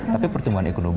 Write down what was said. tapi pertumbuhan ekonomi